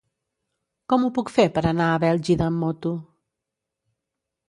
Com ho puc fer per anar a Bèlgida amb moto?